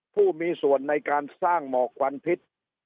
ผู้มีส่วนในการสร้างหมอกควันพิษ